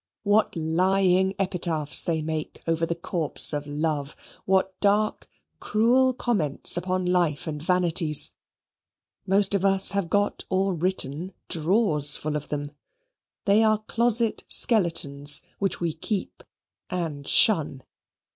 What lying epitaphs they make over the corpse of love! What dark, cruel comments upon Life and Vanities! Most of us have got or written drawers full of them. They are closet skeletons which we keep and shun.